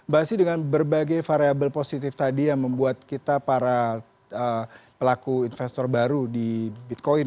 basi dengan berbagai variable positif tadi yang membuat kita para pelaku investor baru di bitcoin